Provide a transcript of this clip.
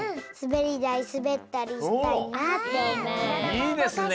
いいですね。